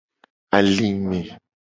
Alime.